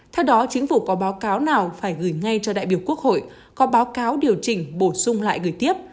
theo đó chính phủ có báo cáo nào phải gửi ngay cho đại biểu quốc hội có báo cáo điều chỉnh bổ sung lại gửi tiếp